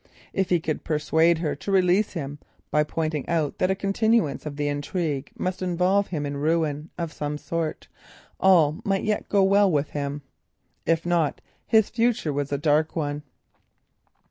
If he could persuade her to release him, by pointing out that a continuance of the intrigue must involve him in ruin of some sort, all might yet go well with him. If not his future was a dark one.